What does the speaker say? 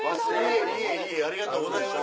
おめでとうございます。